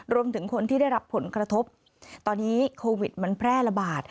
รวมถึงคนที่ได้รับผลกระทบตอนนี้โควิดมันแพร่ระบาด